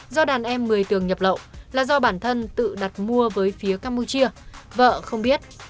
do đàn em một mươi tường nhập lậu là do bản thân tự đặt mua với phía campuchia vợ không biết